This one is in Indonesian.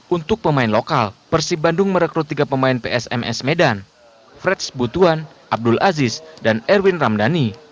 untuk pemain lokal persib bandung merekrut tiga pemain psms medan frex butuhan abdul aziz dan erwin ramdhani